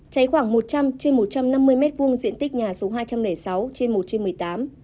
cháy khoảng một trăm linh trên một trăm năm mươi m hai diện tích nhà số hai trăm linh sáu trên một trên một mươi tám